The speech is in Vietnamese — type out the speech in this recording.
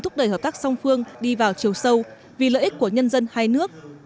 thúc đẩy hợp tác song phương đi vào chiều sâu vì lợi ích của nhân dân hai nước